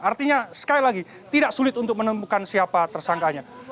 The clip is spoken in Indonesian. artinya sekali lagi tidak sulit untuk menemukan siapa tersangkanya